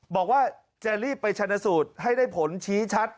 บอกว่าจะรีบไปชนสูตรให้ได้ผลชี้ชัด